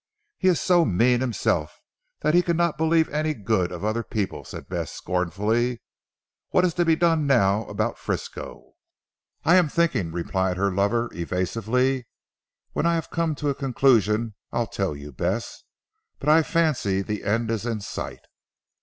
"He is so mean himself, that he cannot believe any good of other people," said Bess scornfully, "what is to be done now about Frisco?" "I am thinking," replied her lover evasively, "when I have come to a conclusion I'll tell you Bess. But I fancy the end is in sight."